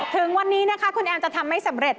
ถึงวันนี้นะคะคุณแอมจะทำไม่สำเร็จ